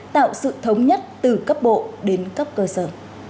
tạo sự thống nhất từ cấp bộ đến cấp cơ sở